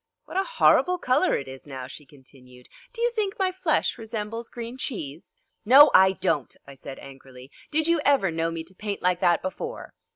"What a horrible colour it is now," she continued. "Do you think my flesh resembles green cheese?" "No, I don't," I said angrily; "did you ever know me to paint like that before?"